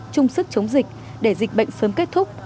chung sức chống dịch để dịch bệnh sớm kết thúc